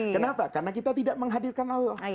kenapa karena kita tidak menghadirkan allah